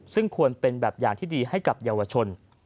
ซึ่งควรเป็นแบบอย่างที่ดีให้กับเยาวชน